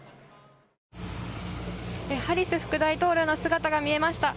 ハリス副大統領の姿が見えました。